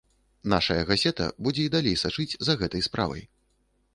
Нашая газета будзе і далей сачыць за гэтай справай.